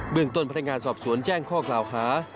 เมืองต้นพนักงานสอบสวนแจ้งข้อกล่าวหา